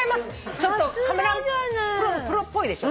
ちょっとカメラプロっぽいでしょ。